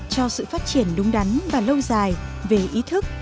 cho sự phát triển đúng đắn và lâu dài về ý thức